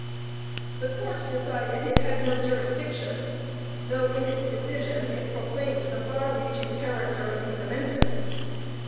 The Court decided it had no jurisdiction, though in its decision it proclaimed the far reaching character of these amendments.